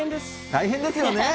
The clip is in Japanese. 大変ですよね。